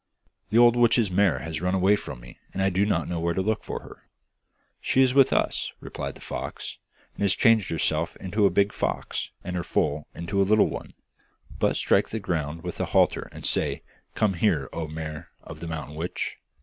'The old witch's mare has run away from me, and I do not know where to look for her.' 'She is with us,' replied the fox, 'and has changed herself into a big fox, and her foal into a little one, but strike the ground with a halter and say, "Come here, O mare of the mountain witch!"